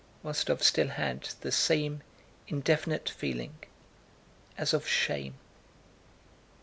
Rostóv still had the same indefinite feeling, as of shame.